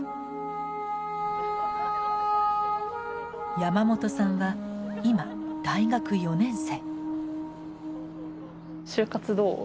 山本さんは今大学４年生。